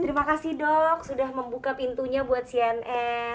terima kasih dok sudah membuka pintunya buat cnn